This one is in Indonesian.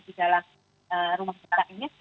di dalam rumah kita ini